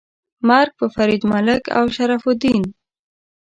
مرګ په فرید ملک او شرف الدین. 🤨